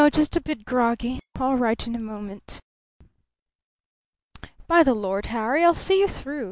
Just a bit groggy. All right in a moment." "By the Lord Harry, I'll see you through.